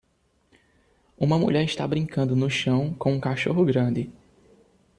Uma mulher está brincando no chão com um cachorro grande.